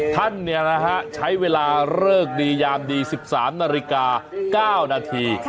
ท่านเนี่ยนะฮะใช้เวลาเริกดียามดี๑๓นาฬิกา๙นาที